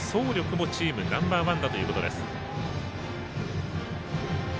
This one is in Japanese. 走力もチームナンバーワンだということです。